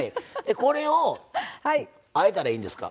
これをあえたらいいんですか。